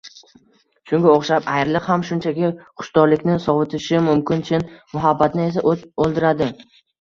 Shunga o’xshab, ayriliq ham shunchaki xushtorlikni sovitishi mumkin, chin muhabbatni esa o’t oldiradi.